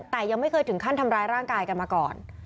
แต่ยังไม่เคยถึงขั้นทำร้ายร่างกายกันมาก่อน